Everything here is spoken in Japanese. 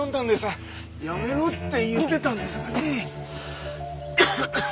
やめろって言ってたんですがね。